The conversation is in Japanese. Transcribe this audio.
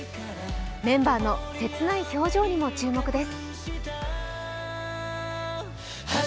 メンバーの切ない表情にも注目です。